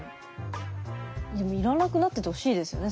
でもいらなくなっててほしいですよね。